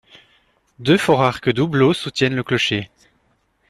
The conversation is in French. Deux forts arcs doubleaux soutiennent le clocher.